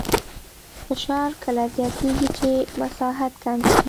فشار کله زیاتېږي چې مساحت کم شي.